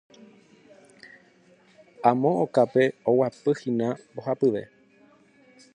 Amo okápe oguapýhína mbohapyve.